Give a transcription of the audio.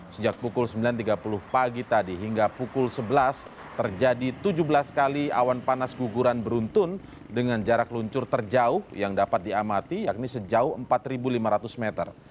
sejak pukul sembilan tiga puluh pagi tadi hingga pukul sebelas terjadi tujuh belas kali awan panas guguran beruntun dengan jarak luncur terjauh yang dapat diamati yakni sejauh empat lima ratus meter